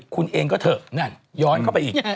คุณเองก็เถอะนั่นย้อนเข้าไปอีก